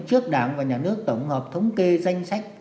trước đảng và nhà nước tổng hợp thống kê danh sách